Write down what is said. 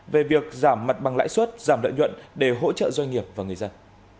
về việc giảm mặt bằng lãi suất giảm lợi nhuận để hỗ trợ doanh nghiệp và người dân